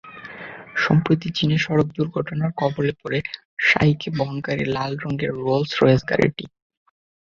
সম্প্রতি চীনে সড়ক দুর্ঘটনার কবলে পড়ে সাইকে বহনকারী লাল রঙের রোলস রয়েস গাড়িটি।